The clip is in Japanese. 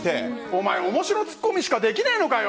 お前、面白ツッコミしかできねえのかよ！